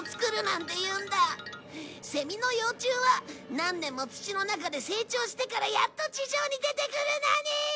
セミの幼虫は何年も土の中で成長してからやっと地上に出てくるのに！